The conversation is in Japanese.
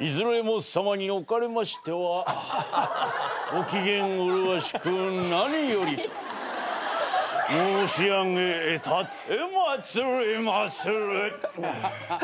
いずれも様におかれましてはご機嫌麗しく何よりと申し上げたてまつりまする。